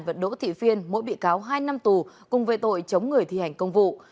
và đỗ thị phiên mỗi bị cáo hai năm tù cùng về tội chống người thi hành công vụ